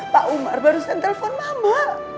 pak umar baru saja telpon mama